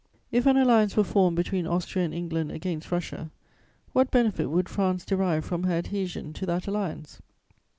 "If an alliance were formed between Austria and England against Russia, what benefit would France derive from her adhesion to that alliance?